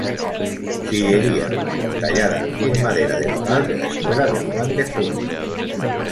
Sillería: tallada en madera de nogal de la escuela de Juan de Juni.